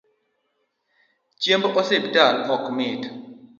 Chiemb osiptal ok mit